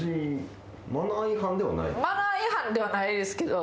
マナー違反ではないですけど。